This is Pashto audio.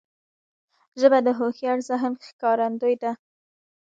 ژبه د هوښیار ذهن ښکارندوی ده